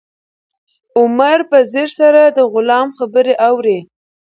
عمر په ځیر سره د غلام خبرې اوري.